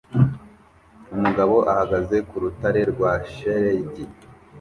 Umugabo ahagaze ku rutare rwa shelegi